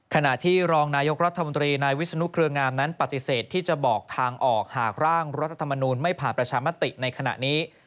ขณะที่รองนายกรัฐมนตรีนายวิศนุเครืองามนั้นปฏิเสธที่จะบอกทางออกหากร่างรัฐธรรมนูลไม่ผ่านประชามติในขณะนี้